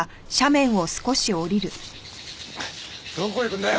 どこ行くんだよ！